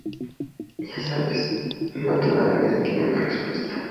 Ya sabes, no todo en la vida tiene una respuesta".